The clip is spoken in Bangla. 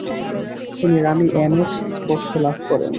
তিনি রানী অ্যানের স্পর্শ লাভ করেন।